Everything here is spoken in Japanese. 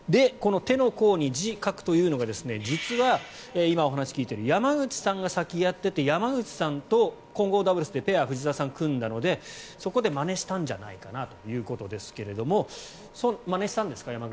この手の甲に字を書くというのが実は今お話を聞いている山口さんが先にやってて山口さんと混合ダブルスでペアを藤澤さんが組んだのでそこでまねしたんじゃないかなということですがまねしたんですか？